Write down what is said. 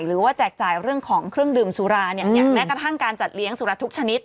แจกจ่ายเรื่องของเครื่องดื่มสุราเนี่ยแม้กระทั่งการจัดเลี้ยงสุรทุกชนิด